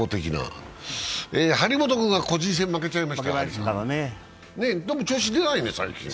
張本君が個人戦負けちゃいましたから、どうも調子出ないね、最近。